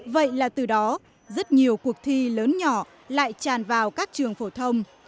vậy là từ đó rất nhiều cuộc thi lớn nhỏ lại tràn vào các trường phổ thông